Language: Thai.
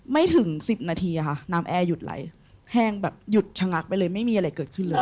ไม่ถึงสิบนาทีค่ะน้ำแอร์หยุดไหลแห้งแบบหยุดชะงักไปเลยไม่มีอะไรเกิดขึ้นเลย